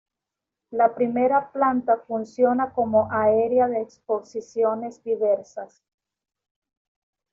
La primera planta funciona como área de exposiciones diversas.